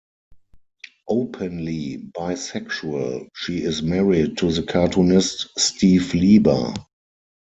Openly bisexual, she is married to the cartoonist Steve Lieber.